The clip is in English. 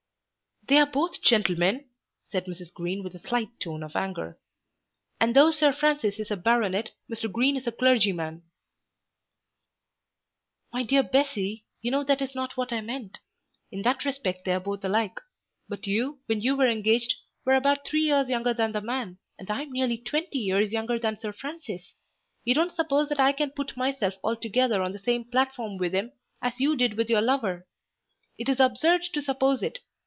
"They are both gentlemen," said Mrs. Green with a slight tone of anger. "And though Sir Francis is a baronet, Mr. Green is a clergyman." "My dear Bessie, you know that is not what I meant. In that respect they are both alike. But you, when you were engaged, were about three years younger than the man, and I am nearly twenty years younger than Sir Francis. You don't suppose that I can put myself altogether on the same platform with him as you did with your lover. It is absurd to suppose it.